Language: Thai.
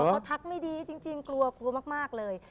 เขาทักไม่ดีจริงกลัวกลัวมากเลย